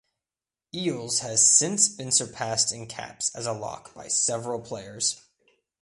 Eales has since been surpassed in caps as a lock by several players.